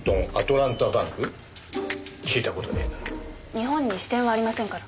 日本に支店はありませんから。